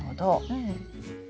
うん。